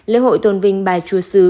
lễ hội tôn vinh bà chúa sứ